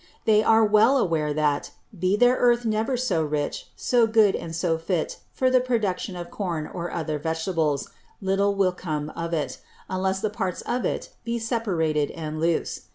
They are well aware that, be their Earth never so rich, so good, and so fit for the production of Corn or other Vegetables, little will come of it, unless the Parts of it be separated and loose.